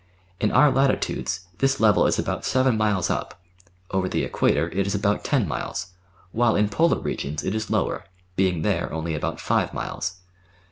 In our latitudes this level is about seven miles up ; over the Equator it is about ten miles, while in Polar regions it is lower, being there only about five miles.